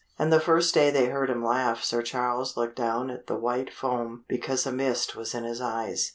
And the first day they heard him laugh Sir Charles looked down at the white foam because a mist was in his eyes.